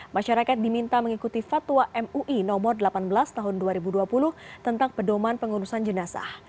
masyarakat diminta mengikuti fatwa mui no delapan belas tahun dua ribu dua puluh tentang pedoman pengurusan jenazah